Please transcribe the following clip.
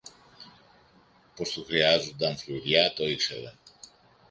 Πως του χρειάζουνταν φλουριά, το ήξερε.